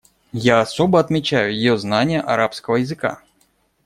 Я особо отмечаю ее знание арабского языка.